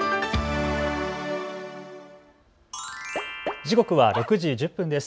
時刻は６時１０分です。